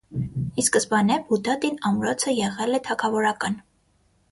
Ի սկզբանե, Բուդատին ամրոցը եղել է թագավորական։